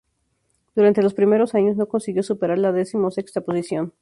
Durante los primeros años no consiguió superar la decimosexta posición.